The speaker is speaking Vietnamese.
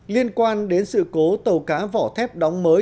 liên quan đến sự cố tàu cá vỏ thép đóng mới